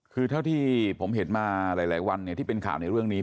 คือเท่าที่ผมเห็นมาหลายวันที่เป็นข่าวในเรื่องนี้